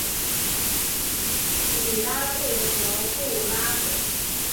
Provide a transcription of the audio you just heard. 米拉贝和布拉孔。